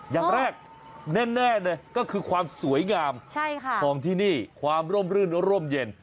อย่างแรกแน่เลยก็คือความสวยงามของที่นี่ความร่มรื่นร่มเย็น